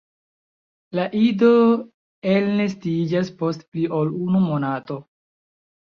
La ido elnestiĝas post pli ol unu monato.